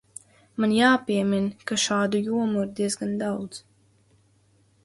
Man jāpiemin, ka šādu jomu ir diezgan daudz.